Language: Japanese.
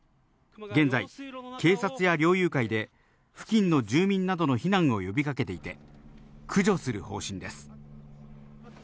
現在、警察や猟友会で付近の住民などの避難を呼びかけていて、駆除する方針です。